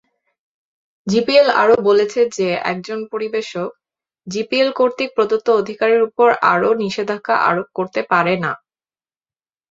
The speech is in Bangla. জিপিএল আরও বলেছে যে একজন পরিবেশক "জিপিএল কর্তৃক প্রদত্ত অধিকারের উপর আরও নিষেধাজ্ঞা আরোপ করতে পারে না"।